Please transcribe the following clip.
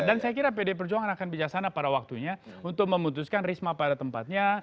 dan saya kira pd perjuangan akan bijaksana pada waktunya untuk memutuskan risma pada tempatnya